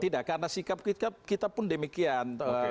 tidak karena sikap kita pun demikian